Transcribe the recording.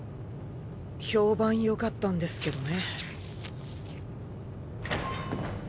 評判よかったんですけどね。